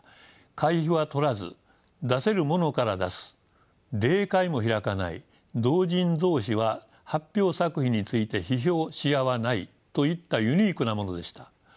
会費は取らず出せる者から出す例会も開かない同人同士は発表作品について批評し合わないといったユニークなものでした。